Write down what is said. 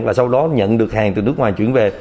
và sau đó nhận được hàng từ nước ngoài chuyển về